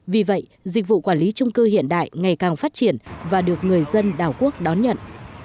vì vậy dịch vụ quản lý trung cư hiện đại ngày càng phát triển và được người dân đảo quốc đón nhận